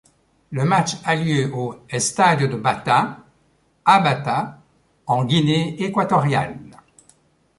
Le match a lieu au Estadio de Bata à Bata, en Guinée équatoriale.